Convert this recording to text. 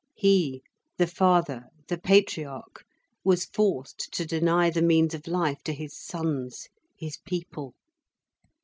He, the father, the Patriarch, was forced to deny the means of life to his sons, his people.